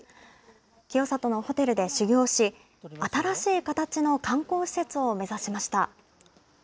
清里のホテルで修業し、新しい形の観光施設を目指しました。